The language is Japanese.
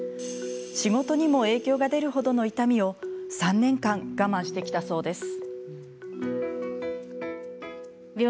仕事にも影響が出るほどの痛みを３年間我慢してきたそうです。